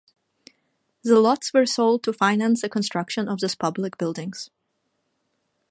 The lots were sold to finance the construction of these public buildings.